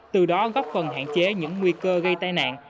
từ đó góp phần hạn chế những nguy cơ gây tai nạn